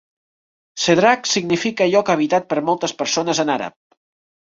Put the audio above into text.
"Sedrak" significa lloc habitat per moltes persones en àrab.